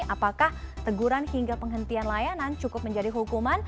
apakah teguran hingga penghentian layanan cukup menjadi hukuman